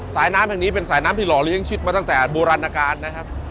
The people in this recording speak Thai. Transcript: สายน้ำแห่งนี้เป็นสายน้ำที่หล่อเลี้ยชิดมาตั้งแต่โบราณการนะครับ